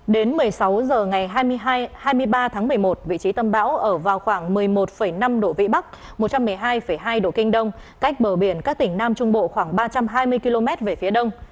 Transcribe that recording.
đến một mươi sáu h ngày hai mươi ba tháng một mươi một vị trí tâm bão ở vào khoảng một mươi một năm độ vĩ bắc một trăm một mươi hai hai độ kinh đông cách bờ biển các tỉnh nam trung bộ khoảng ba trăm hai mươi km về phía đông